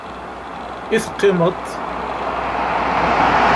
I teqqimeḍ?